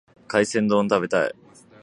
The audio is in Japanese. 海鮮丼を食べたい。